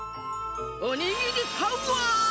おにぎりパワー！